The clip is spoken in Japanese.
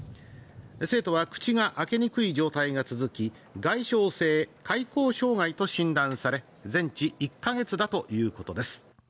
生徒は口が開けにくい状態が続き外傷性開口障害と診断され、全治１か月だということです。